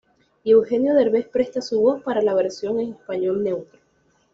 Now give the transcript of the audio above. Y Eugenio Derbez presta su voz para la versión en español neutro.